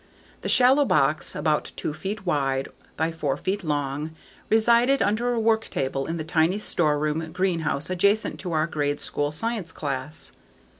This shallow box about two feet wide by four feet long resided under a worktable in the tiny storeroom/greenhouse adjacent to our grade school science class.